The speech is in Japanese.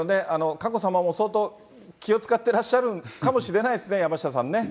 佳子さまも相当、気を遣ってらっしゃるかもしれないですね、山下さんね。